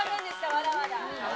まだまだ。